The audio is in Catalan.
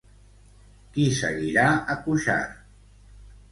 Qui seguirà a Cuixart?